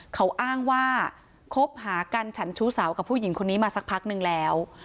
เขาอ้างว่าคบหากันฉันชู้สาวกับผู้หญิงคนนี้มาสักพักนึงแล้ว